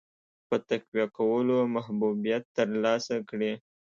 په تقویه کولو محبوبیت ترلاسه کړي.